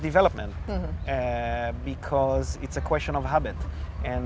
karena itu adalah pertanyaan kebiasaan